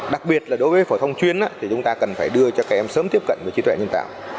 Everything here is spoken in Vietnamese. đặc biệt là đối với phổ thông chuyên thì chúng ta cần phải đưa cho các em sớm tiếp cận với trí tuệ nhân tạo